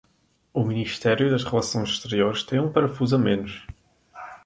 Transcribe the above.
O Ministro das Relações Exteriores tem um parafuso a menos